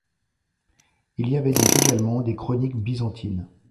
Il y avait donc également des chroniques byzantines.